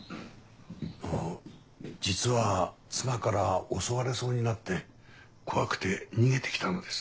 あの実は妻から襲われそうになって怖くて逃げて来たのです。